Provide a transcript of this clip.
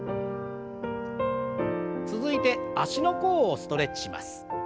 続いて足の甲をストレッチします。